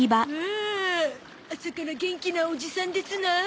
朝から元気なおじさんですなあ。